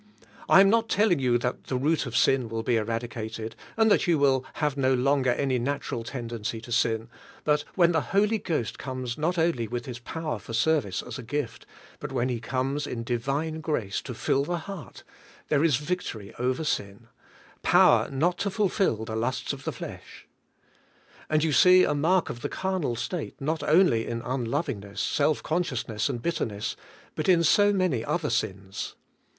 I am not telling you that the root of sin will be eradicated, and that you will have no longer any natural tendency to sin; but when the Holy Spirit comes not only with His 12 CARNAL CHRISTIANS power for service as a gift, but when He comes in Divine grace to fill the heart, there is victory over sin; power not to fulfill the lusts of thefiesh. And you see a mark of the carnal state not only in un lovingness, self consciousness and bitterness, but in so many other sins.